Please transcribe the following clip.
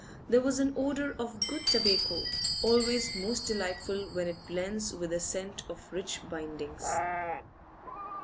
There was an odour of good tobacco, always most delightful when it blends with the scent of rich bindings.